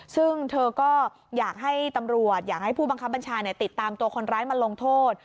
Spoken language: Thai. ซึ่งเธอก็อยากให้ตำรวจอยากให้ผู้บังคับบัญชาติดตามตัวคนร้ายมาลงโทษ